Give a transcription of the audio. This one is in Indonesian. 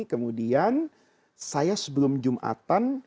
kemudian saya sebelum jumatan